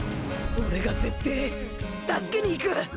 俺がぜってえ、助けに行く。